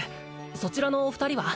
そちらのお二人は？